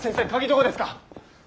どこですか？